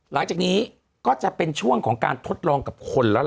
หลังจากนี้ก็จะเป็นช่วงของการทดลองกับคนแล้วล่ะ